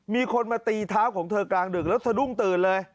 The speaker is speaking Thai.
มีคนมาตีเท้าของเธอกลางดึกแล้วสะดุ้งตื่นเลย